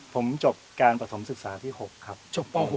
ผมจบการประสงค์ศึกษาที่หกครับจบปหก